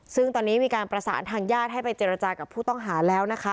ซึ่งตอนนี้มีการประสานทางญาติให้ไปเจรจากับผู้ต้องหาแล้วนะคะ